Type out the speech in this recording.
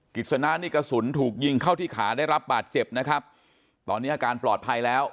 กิจสนะนี่กระสุนถูกยิงเข้าที่ขาได้รับบาดเจ็บนะครับตอนนี้อาการปลอดภัยแล้ว